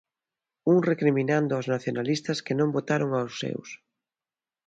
Un recriminando aos nacionalistas que non votaron aos seus.